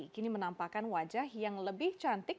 kini menampakkan wajah yang lebih cantik